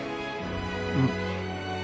うん。